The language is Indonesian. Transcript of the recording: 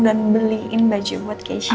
dan beliin baju buat keisha